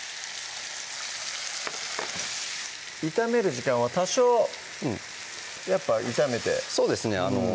炒める時間は多少やっぱ炒めてそうですね